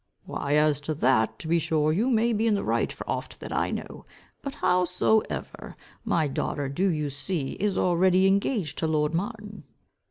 "Why as to that, to be sure, you may be in the right for auft that I know. But howsomdever, my daughter, do you see, is already engaged to lord Martin."